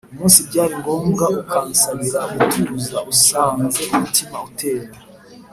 Umunsi byari ngombwa Ukansabira gutuza Usanze umutima utera